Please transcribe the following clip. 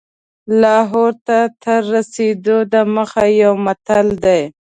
لاهور ته تر رسېدلو دمخه یو متل دی.